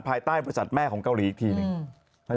ภายใต้บริษัทแม่ของเกาหลีอีกทีหนึ่ง